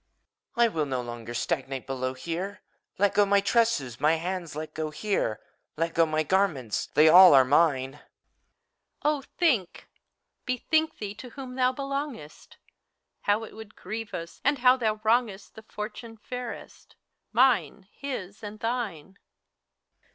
I will not longer Stagnate below here I Let go my tresses. My hands let go, here! 176 FAUST. Let go my garments ! They all are mine. HELENA. think! Bethink thee To whom thou helongesti How it would grieve us, And how thou wrongest The fortune fairest, — Mine, His, and Thine!